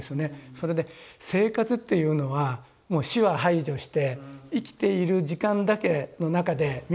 それで生活っていうのはもう死は排除して生きている時間だけの中で見ていくのが生活の次元。